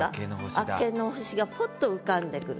明けの星がポッと浮かんでくる。